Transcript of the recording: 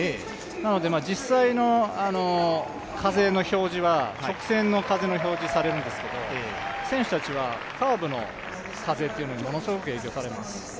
なので実際の風の表示は、直線の風の表示がされるんですけれども、選手たちはカーブの風というのにものすごく影響されます。